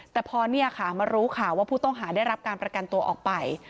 แต่พอเนี่ยค่ะมารู้ข่าวว่าผู้ต้องหาได้รับการประกันตัวออกไป